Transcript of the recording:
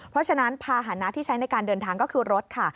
เพราะฉะนั้นภาษณะที่ใช้ในการเดินทางก็คือรถค่ะ